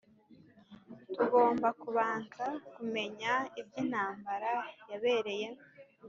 Tugomba kubanza kumenya iby intambara yabereye